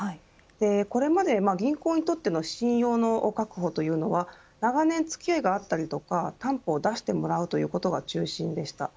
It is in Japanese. これまで銀行にとっての信用の確保というのは長年付き合いがあったりとか担保を出してもらうということが中心でした。